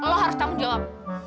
lo harus tanggung jawab